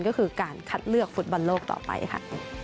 ก็คือการคัดเลือกฟุตบอลโลกต่อไปค่ะ